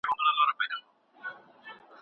خصوصي تشبثات په هیواد کي شتون نه لري.